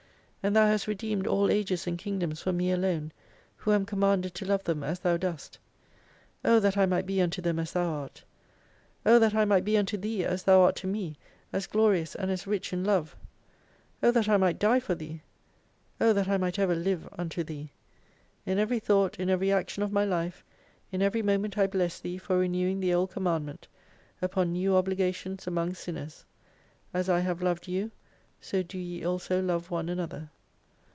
And Thou hast redeemed all Ages and Kingdoms for me alone, who am commanded to love them as Thou dost. O that I might be unto them as Thou art ! O that I might be unto Thee as Thou art to me, as glorious and as rich in Love ! O that I might die for Thee ! O that I might ever live unto Thee ! In every thought, in every action of my life, in every moment I bless Thee for renewing the old command ment ; upon new obligations among Sinners, — As I/iave bved you, so do ye also love one another.